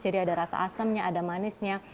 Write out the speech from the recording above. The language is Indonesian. jadi ada rasa asamnya ada manisnya